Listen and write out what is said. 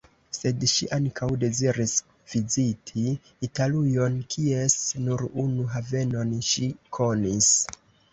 Sed ŝi ankaŭ deziris viziti Italujon, kies nur unu havenon ŝi konis.